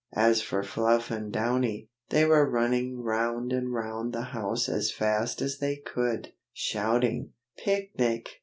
As for Fluff and Downy, they were running round and round the house as fast as they could, shouting: "Picnic!